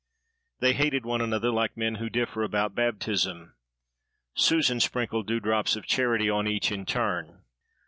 They hated one another like men who differ about baptism. Susan sprinkled dewdrops of charity on each in turn.